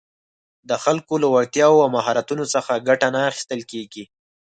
د خلکو له وړتیاوو او مهارتونو څخه ګټه نه اخیستل کېږي